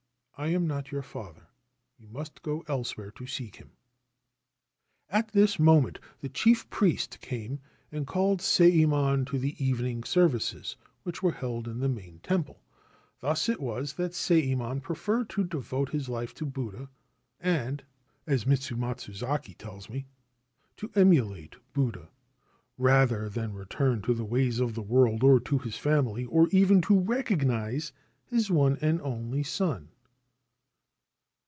I am not your father. You must go elsewhere to seek him.' At this moment the chief priest came and called Sayemon to the evening services, which were held in the main temple. Thus it was that Sayemon preferred to devote his life to Buddha, and (as Mr. Matsuzaki tells me) to emulate Buddha, rather than return to the ways of the world or to his family, or even to recognise his one and only son